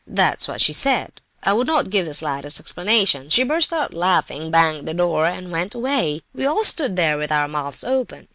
That's what she said. She would not give the slightest explanation; she burst out laughing, banged the door, and went away. We all stood there with our mouths open.